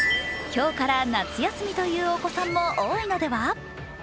今日から夏休みというお子さんも多いのでは？